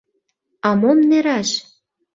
— А мом нераш!